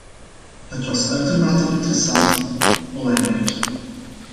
Het was uitermate interessant en heel belangrijk.